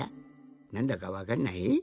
なんだかわかんない？